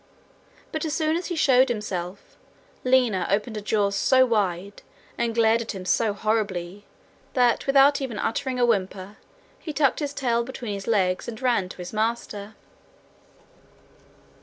But as soon as he showed himself, Lina opened her jaws so wide, and glared at him so horribly, that, without even uttering a whimper, he tucked his tail between his legs and ran to his master.